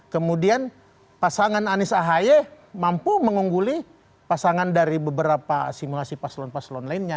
kemudian pasangan anies ahaye mampu mengungguli pasangan dari beberapa simulasi paslon paslon lainnya